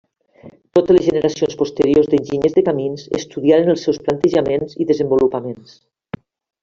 Totes les generacions posteriors d'enginyers de camins estudiaren els seus plantejaments i desenvolupaments.